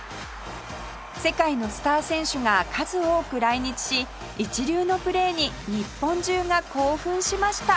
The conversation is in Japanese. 世界のスター選手が数多く来日し一流のプレーに日本中が興奮しました